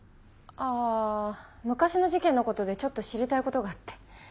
ああ昔の事件の事でちょっと知りたい事があって。